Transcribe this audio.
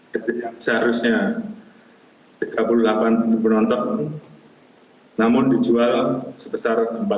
jadi seharusnya tiga puluh delapan penonton namun dijual sebesar empat puluh dua ribu